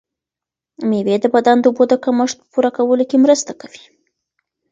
مېوې د بدن د اوبو د کمښت په پوره کولو کې مرسته کوي.